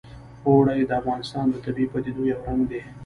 اوړي د افغانستان د طبیعي پدیدو یو رنګ دی.